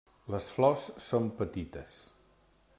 Les flors són petites.